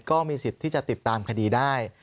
ก็มีสิทธิ์ที่จะติดตามคดีได้